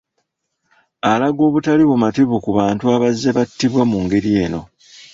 Alaga obutali bumativu ku bantu abazze battibwa mu ngeri eno.